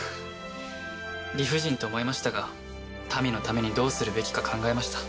理不尽と思いましたが民のためにどうするべきか考えました。